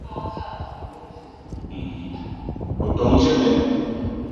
O ton dje mene?